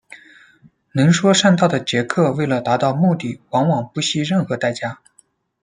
能说善道的杰克为了达到目的往往不惜任何代价。